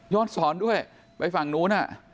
ย้อนศรด้วยไปฝั่งนู้น